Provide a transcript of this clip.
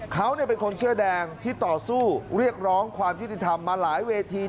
เขาเป็นคนเสื้อแดงที่ต่อสู้เรียกร้องความยุติธรรมมาหลายเวที